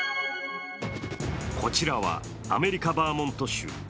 こちらはアメリカ・バーモント州。